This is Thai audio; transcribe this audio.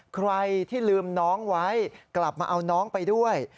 ใครที่ลืมน้องไว้กลับมาเอาน้องไปด้วย